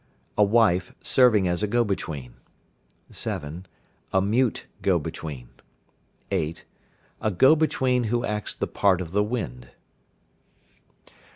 A wife serving as a go between. (7). A mute go between. (8). A go between who acts the part of the wind.